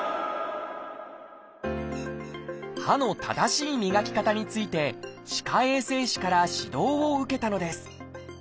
歯の正しい磨き方について歯科衛生士から指導を受けたのです。